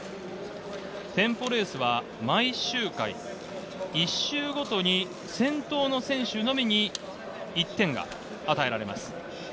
テンポレースは毎周回、１周ごとに先頭の選手のみに１点が与えられます。